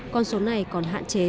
con số này còn hạn chế